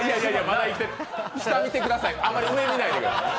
下見てください、あまり上、見ないでください。